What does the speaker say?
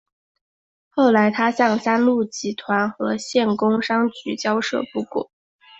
后来他向三鹿集团和县工商局交涉不果。